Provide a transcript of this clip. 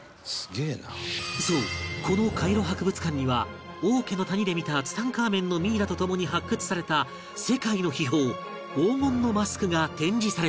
そうこのカイロ博物館には王家の谷で見たツタンカーメンのミイラとともに発掘された世界の秘宝黄金のマスクが展示されている